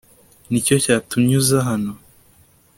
nicyo cyatumye uza hano